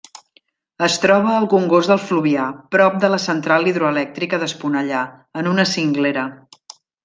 Es troba al congost del Fluvià prop de la central hidroelèctrica d'Esponellà, en una cinglera.